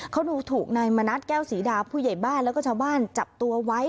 เขาดูถูกนายมณัฐแก้วศรีดาผู้ใหญ่บ้านแล้วก็ชาวบ้านจับตัวไว้